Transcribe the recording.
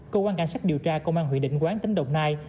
công an cảnh sát điều tra công an huyện định quán tính đồng nai